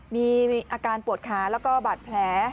มีอาการปวดขาและแผล